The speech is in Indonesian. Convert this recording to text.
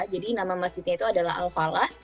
jadi nama masjidnya itu adalah al falah